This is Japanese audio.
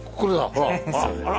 ほら。